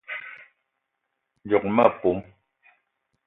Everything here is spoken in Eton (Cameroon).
Djock ma pom